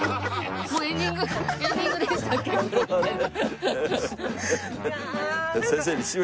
エンディングでしたっけ？みたいな。